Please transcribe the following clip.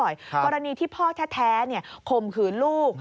กรณีที่พ่อแท้ข่มขืนลูก